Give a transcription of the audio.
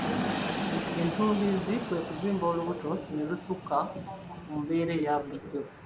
Ettumbiizi kwe kuzimba olubuto ne lusukka ku mbeera eya bulijjo.